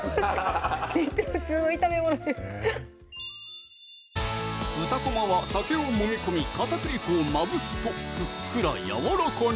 めっちゃ普通の炒め物で豚こまは酒をもみ込み片栗粉をまぶすとふっくらやわらかに！